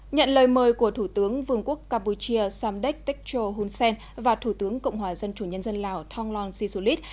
nhận lời mời của thủ tướng vương quốc campuchia samdek tektcho hunsen và thủ tướng cộng hòa dân chủ nhân dân lào thonglong sisulit